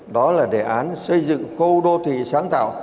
đó là đề án xây dựng khu đô thị sáng tạo